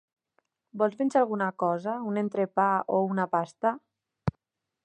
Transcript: Vol menjar alguna cosa, un entrepà o una pasta?